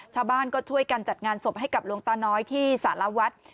ชาวบ้านก็ช่วยกันจัดงานศพให้กับหลวงตาน้อยที่สารวัฒน์